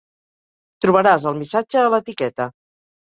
Trobaràs el missatge a l'etiqueta.